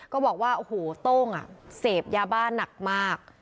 ก็บอกว่าโหโธ่งอ่ะเสบยาบ้านหนักมาก